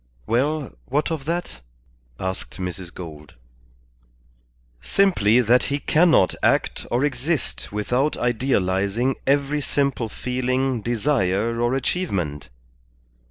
"Well, what of that?" asked Mrs. Gould. "Simply that he cannot act or exist without idealizing every simple feeling, desire, or achievement.